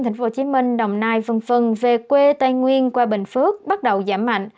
tp hcm đồng nai v v về quê tây nguyên qua bình phước bắt đầu giảm mạnh